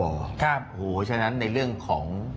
โอ้โฮฉะนั้นในเรื่องของ